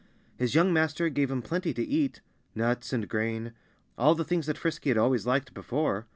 His young master gave him plenty to eat nuts and grain all the things that Frisky had always liked before.